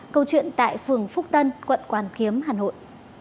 câu chuyện tại phường phúc tân quận hoàn kiếm hà nội